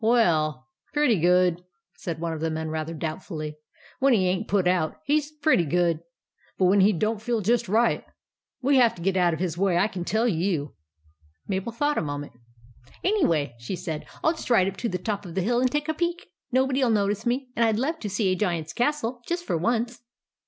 W e 11, pretty good," said one of the men, rather doubtfully. " When he ain't put out, he 's pretty good ; but when he don't feel just right, we have to get out of his way, I can tell you !" Mabel thought a moment. " Anyway," she said, " I '11 just ride up to the top of the hill and take a peep. No body '11 notice me ; and I 'd love to see a Giant's castle, just for once."